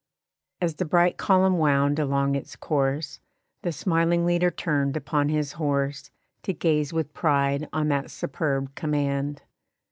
As the bright column wound along its course, The smiling leader turned upon his horse To gaze with pride on that superb command.